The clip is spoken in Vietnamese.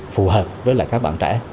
phù hợp với lại các bạn trẻ